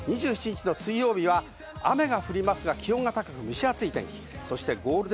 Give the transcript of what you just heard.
水曜日は雨が降りますが、気温は高く、蒸し暑い天気。